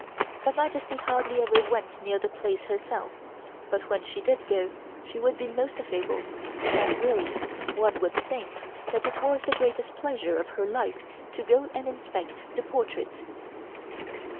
Her Majesty hardly ever went near the place herself, but when she did go, she would be most affable and, really, one would think that it was the greatest pleasure of her life to go and inspect the portrait.